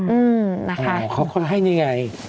อืมนะคะเขาก็ให้นี่ไง